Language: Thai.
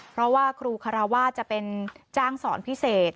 เพราะว่าครูคาราวาสจะเป็นจ้างสอนพิเศษ